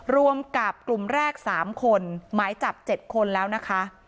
รวมกับกลุ่มแรก๓คนหมายจับ๗คนแล้วนะคะ